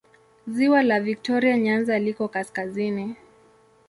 Ziwa la Viktoria Nyanza liko kaskazini.